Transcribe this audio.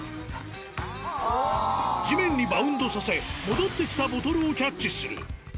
地面にバウンドさせ、戻ってきたボトルをキャッチする。